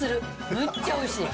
めっちゃおいしい。